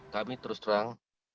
kami terus terang